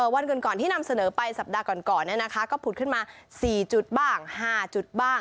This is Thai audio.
วันก่อนที่นำเสนอไปสัปดาห์ก่อนก็ผุดขึ้นมา๔จุดบ้าง๕จุดบ้าง